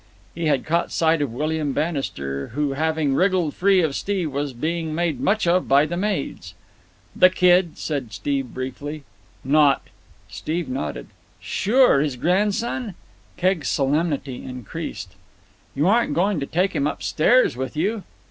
He had caught sight of William Bannister, who having wriggled free of Steve, was being made much of by the maids. "The kid," said Steve briefly. "Not——" Steve nodded. "Sure. His grandson." Keggs' solemnity increased. "You aren't going to take him upstairs with you?"